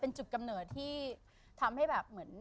เป็นจุดกำเนิดที่ทำให้แบบเหมือน